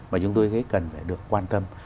mà chúng tôi cần phải được quan tâm